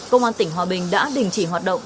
công an tỉnh hòa bình đã đình chỉ hoạt động